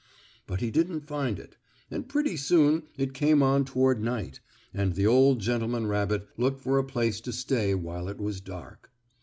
But he didn't find it, and pretty soon it came on toward night, and the old gentleman rabbit looked for a place to stay while it was dark.